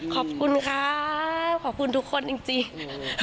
ขอบคุณครับขอบคุณทุกคนจริง